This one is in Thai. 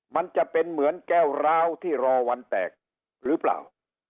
มันจะเป็นเหมือนแก้วร้าวที่รอวันแตกหรือเปล่า